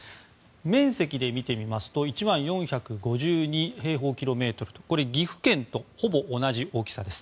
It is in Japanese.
面積で見てみると１万４５２平方キロメートルと岐阜県とほぼ同じです。